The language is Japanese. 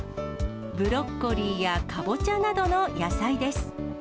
ブロッコリーやカボチャなどの野菜です。